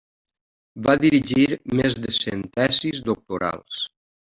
Va dirigir més de cent tesis doctorals.